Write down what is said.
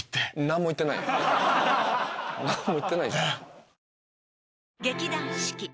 何も言ってない。なぁ。